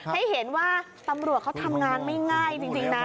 ให้เห็นว่าตำรวจเขาทำงานไม่ง่ายจริงนะ